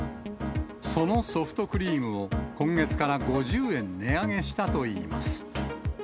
そのソフトクリームを今月から５０円値上げしたといいます。